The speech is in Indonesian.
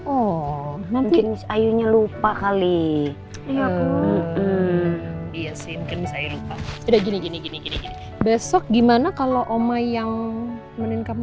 oh nanti ayunya lupa kali iya sih misalnya lupa udah gini gini besok gimana kalau oma yang meninjam